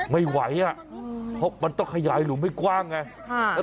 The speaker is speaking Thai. ไม่ไหวอ่ะเพราะมันต้องขยายหลุมให้กว้างไง